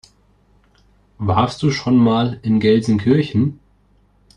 Warst du schon mal in Gelsenkirchen?